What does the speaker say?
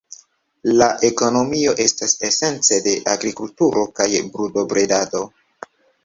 La ekonomio estas esence de agrikulturo kaj brutobredado.